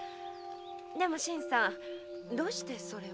でも新さんどうしてそれを？